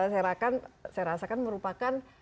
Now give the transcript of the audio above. saya rasakan merupakan